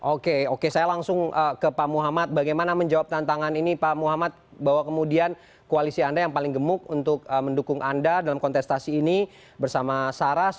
oke oke saya langsung ke pak muhammad bagaimana menjawab tantangan ini pak muhammad bahwa kemudian koalisi anda yang paling gemuk untuk mendukung anda dalam kontestasi ini bersama saras